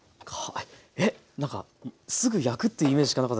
ええっなんかすぐ焼くというイメージしかなかった。